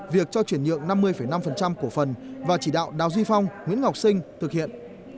việc cho chuyển nhượng năm mươi năm cổ phần và chỉ đạo đào duy phong nguyễn ngọc sinh thực hiện